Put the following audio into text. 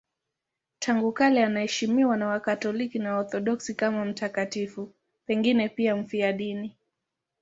Tangu kale anaheshimiwa na Wakatoliki na Waorthodoksi kama mtakatifu, pengine pia mfiadini.